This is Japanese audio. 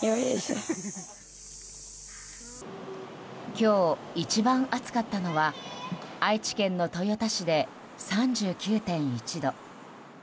今日、一番暑かったのは愛知県の豊田市で３９．１度。